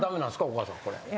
お母さんこれ。